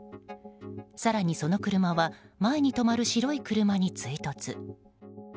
更に、その車は前に止まる白い車に追突。